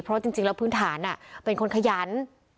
เพราะจริงแล้วพื้นฐานเป็นคนขยัน